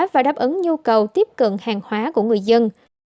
và đáp ứng nhu cầu tiếp cận hàng hóa của người dân